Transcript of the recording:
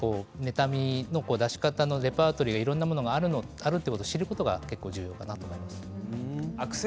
妬みの出し方のレパートリーがいろんなものがあるということを知ることが結構重要かなと思います。